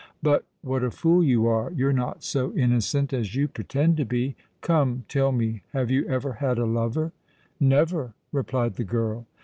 "But what a fool you are! You're not so innocent as you pretend to be. Come—tell me—have you ever had a lover?" "Never," replied the girl.